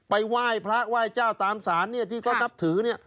ไปไหว้พระร้อยเจ้าตามสารที่เขานับถือ